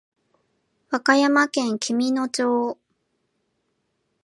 和歌山県紀美野町